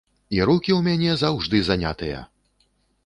І рукі ў мяне заўжды занятыя!